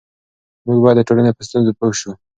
موږ باید د ټولنې په ستونزو پوه سو.